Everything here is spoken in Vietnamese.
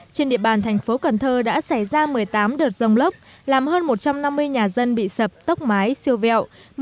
trên địa bàn thành phố cần thơ đã xảy ra một mươi tám đợt dòng lốc làm hơn một trăm năm mươi nhà dân bị sập tốc mái siêu vẹo